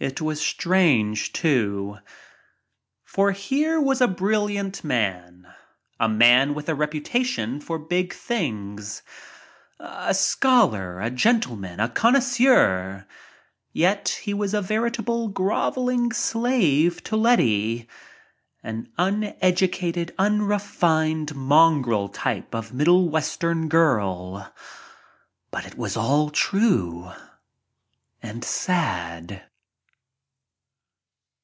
It was strange, too. For here was a brilliant man — a man with a reputation for big things — a scholar, a gentleman, a connoisseur — yet he was a veritable groveling slave to Letty, an uneducated, unrefined, mongrel type of middle western girl. But it was all too true — and sad.